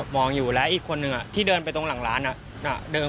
มองอยู่และอีกคนนึงที่เดินไปตรงหลังร้าน